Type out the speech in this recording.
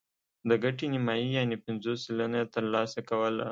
د ګټې نیمايي یعنې پنځوس سلنه یې ترلاسه کوله.